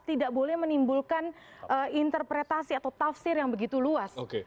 tidak boleh menimbulkan interpretasi atau tafsir yang begitu luas